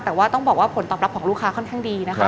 แต่ว่าต้องบอกว่าผลตอบรับของลูกค้าค่อนข้างดีนะคะ